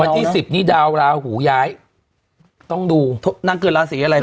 ที่สิบนี่ดาวราหูย้ายต้องดูนางเกิดราศีอะไรนะ